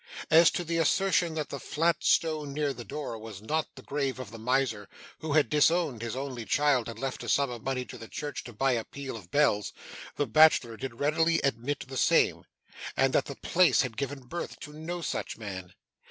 As to the assertion that the flat stone near the door was not the grave of the miser who had disowned his only child and left a sum of money to the church to buy a peal of bells, the bachelor did readily admit the same, and that the place had given birth to no such man.